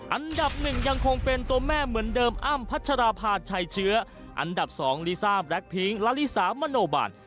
อันดับหนึ่งยังคงเป็นตัวแม่เหมือนเดิมอ้ำพัชราภาชัยเชื้ออันดับ๒ลิซ่าแล็คพิ้งละลิสามโนบัน